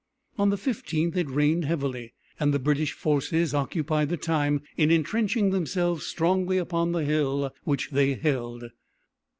On the 15th it rained heavily, and the British forces occupied the time in intrenching themselves strongly upon the hill which they held.